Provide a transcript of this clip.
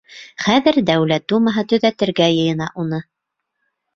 Хәҙер Дәүләт Думаһы төҙәтергә йыйына уны.